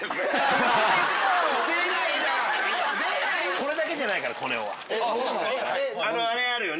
これだけじゃないからコネオは。